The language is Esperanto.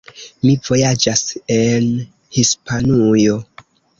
Mi vojaĝas en Hispanujo.